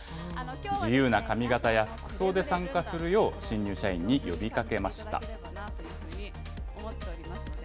自由な髪形や服装で参加するよう、新入社員に呼びかけました。